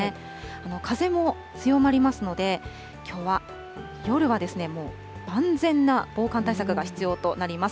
風も強まりますので、きょうは、夜は万全な防寒対策が必要となります。